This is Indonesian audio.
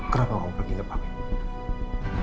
kenapa kamu pergi ngepamin